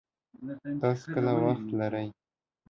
تاسو کله وخت لري